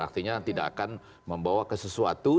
artinya tidak akan membawa ke sesuatu